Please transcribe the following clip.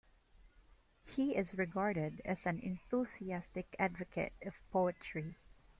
He is regarded as an enthusiastic advocate of poetry.